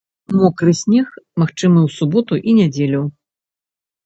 Мокры снег магчымы ў суботу і нядзелю.